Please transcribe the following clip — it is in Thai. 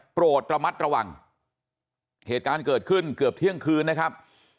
โปรดระมัดระวังเหตุการณ์เกิดขึ้นเกือบเที่ยงคืนนะครับ